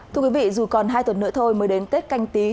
thưa quý vị dù còn hai tuần nữa thôi mới đến tết canh tí